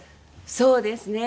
そうですね。